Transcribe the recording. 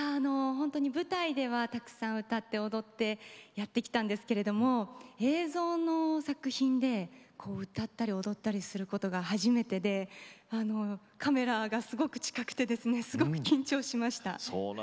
舞台では、たくさん歌って踊ってやってきたんですけれども映像の作品で歌ったり踊ったりすることが初めてでカメラがすごく近くてすごく緊張しました。